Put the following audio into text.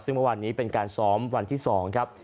ซึ่งเมื่อวานนี้เป็นการซ้อมวันที่๒ครับ